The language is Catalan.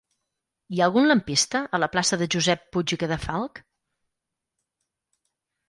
Hi ha algun lampista a la plaça de Josep Puig i Cadafalch?